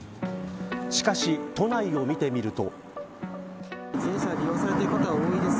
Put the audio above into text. しかし、都内を見てみると。